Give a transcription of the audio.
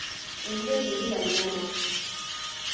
Enva ezo zirannama.